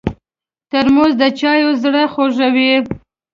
ترموز د چایو زړه خوږوي.